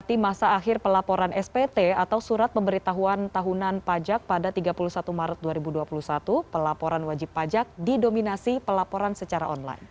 di masa akhir pelaporan spt atau surat pemberitahuan tahunan pajak pada tiga puluh satu maret dua ribu dua puluh satu pelaporan wajib pajak didominasi pelaporan secara online